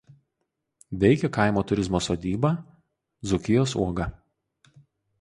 Veikia kaimo turizmo sodyba „Dzūkijos uoga“.